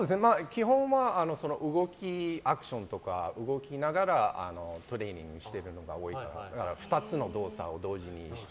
基本はアクションとか、動きながらトレーニングしているのが多いので２つの動作を同時にとか。